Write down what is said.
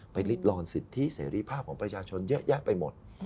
ลิดลอนสิทธิเสรีภาพของประชาชนเยอะแยะไปหมด